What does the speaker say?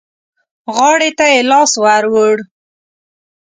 غاړې ته يې لاس ور ووړ.